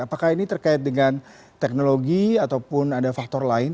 apakah ini terkait dengan teknologi ataupun ada faktor lain